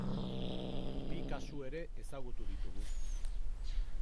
Bi kasu ere ezagutu ditugu.